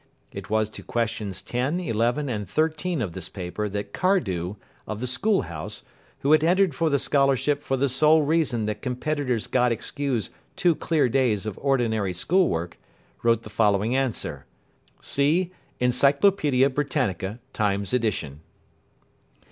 It was to questions ten, eleven, and thirteen of this paper that Cardew, of the School House, who had entered for the scholarship for the sole reason that competitors got excused two clear days of ordinary school work, wrote the following answer: See "Encylopaedia Britannica," Times edition.